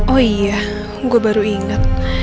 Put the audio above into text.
oh iya gue baru inget